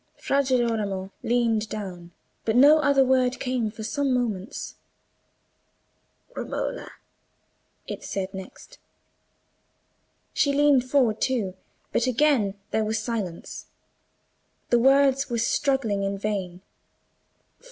Fra Girolamo leaned down. But no other word came for some moments. "Romola," it said next. She leaned forward too: but again there was silence. The words were struggling in vain.